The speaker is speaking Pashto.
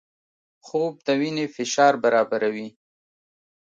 خوب د وینې فشار برابروي